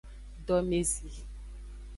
Domezi.